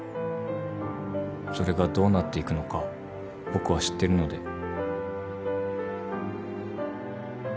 それがどうなっていくのか僕は知ってるので。